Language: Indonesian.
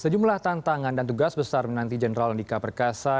sejumlah tantangan dan tugas besar menanti jenderal andika perkasa